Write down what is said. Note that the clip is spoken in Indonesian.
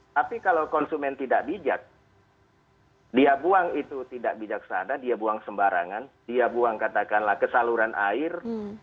tapi kalau konsumen tidak bijak dia buang itu tidak bijaksana dia buang sembarangan dia buang katakanlah ke saluran air